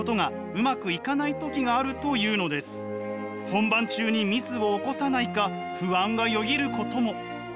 本番中にミスを起こさないか不安がよぎることも。